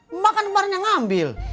emak kan kemarin yang ngambil